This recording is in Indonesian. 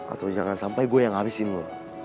atau jangan sampai gua yang habisin lu